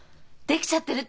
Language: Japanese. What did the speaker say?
できちゃってんの？